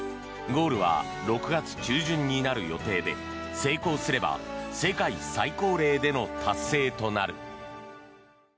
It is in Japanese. ゴールは６月中旬になる予定で成功すれば世界最高齢での達成となる。